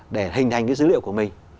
để hình thành dữ liệu của mình